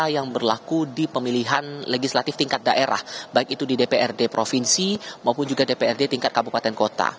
yang berlaku di pemilihan legislatif tingkat daerah baik itu di dprd provinsi maupun juga dprd tingkat kabupaten kota